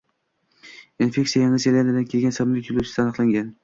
Infeksiya Yangi Zelandiyadan kelgan samolyot yo‘lovchisida aniqlangan